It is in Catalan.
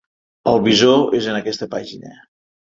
El visor és en aquesta pàgina.